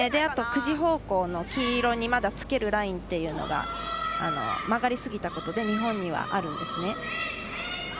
９時方向の黄色にまだつけるラインっていうのが曲がりすぎたことで日本にはあるんですね。